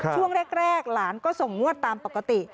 ช่วงแรกหลานก็ส่งงวดตามปกติ